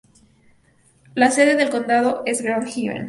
La sede del condado es Grand Haven.